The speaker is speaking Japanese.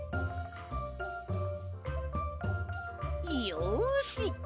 よし。